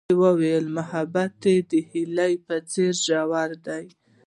هغې وویل محبت یې د هیلې په څېر ژور دی.